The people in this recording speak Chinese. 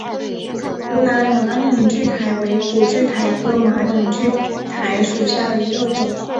湖南马铃苣苔为苦苣苔科马铃苣苔属下的一个种。